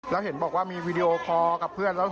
แล้วเห็นบอกว่ามีวีดีโอคอร์กับเพื่อนแล้ว